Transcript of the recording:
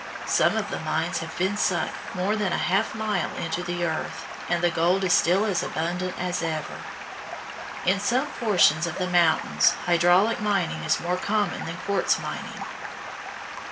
Some of the mines have been sunk more than a half mile into the earth, and the gold is still as abundant as ever. In some portions of the mountains hydraulic mining is more common than quartz mining.